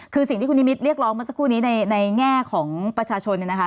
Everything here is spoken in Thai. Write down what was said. คือสิ่งที่คุณนิมิตเรียกร้องเมื่อสักครู่นี้ในแง่ของประชาชนเนี่ยนะคะ